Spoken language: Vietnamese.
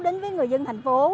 đến với người dân thành phố